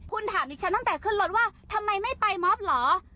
คุณถามดิฉันตั้งแต่ขึ้นรถว่าทำไมไม่ไปมอบเหรอ